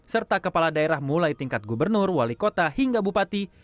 serta kepala daerah mulai tingkat gubernur wali kota hingga bupati